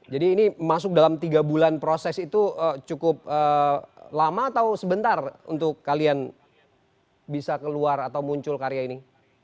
jadi ini masuk dalam tiga bulan proses itu cukup lama atau sebentar untuk kalian bisa keluar atau muncul karya ini